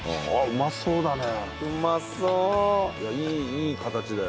いい形だよ。